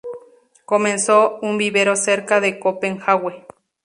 Comenzó un vivero cerca de Copenhague.